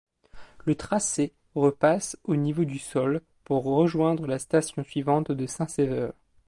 Le tracé repasse au niveau du sol pour rejoindre la station suivante de Saint-Sever.